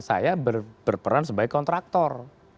saya berperan sebagai kontraktor